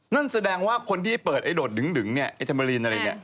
นั่นแสดงว่าคนที่เปิดไอโดดดึงเนี่ยไอ้เทเมอรินอะไรเนี่ย